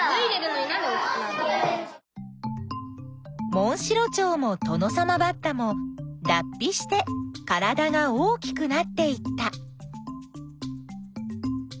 モンシロチョウもトノサマバッタもだっ皮して体が大きくなっていった。